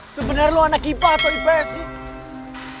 sebenernya lo anak ipa atau ipa nya sih